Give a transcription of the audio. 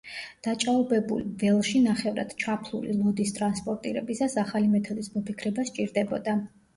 დაჭაობებულ ველში ნახევრად ჩაფლული ლოდის ტრანსპორტირებას ახალი მეთოდის მოფიქრება სჭირდებოდა.